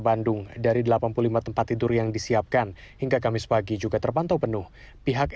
bandung dari delapan puluh lima tempat tidur yang disiapkan hingga kamis pagi juga terpantau penuh pihak